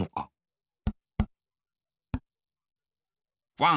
ワン。